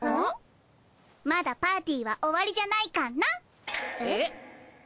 まだパーティは終わりじゃないカンナえ？